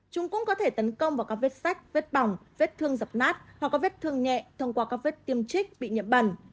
chúng cũng có thể tấn công vào các vết sách vết bỏng vết thương dập nát hoặc có vết thương nhẹ thông qua các vết tiêm trích bị nhiễm bẩn